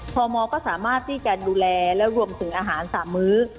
พมก็สามารถที่จะดูแลและรวมถึงอาหาร๓มื้อ